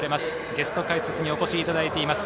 ゲスト解説にお越しいただいています